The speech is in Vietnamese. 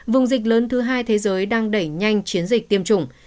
vùng dịch lớn thứ hai thế giới đang đẩy nhanh chiến dịch tiêm chủng